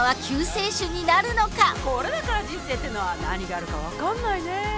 これだから人生ってのは何があるか分かんないね。